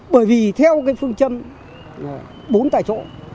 bởi vì theo phương châm bốn tại chỗ